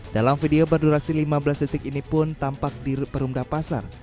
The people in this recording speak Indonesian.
dalam video berdurasi lima belas detik ini pun tampak di perumda pasar